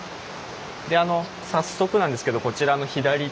早速なんですけどこちらの左手。